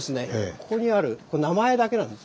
ここにあるこれ名前だけなんです。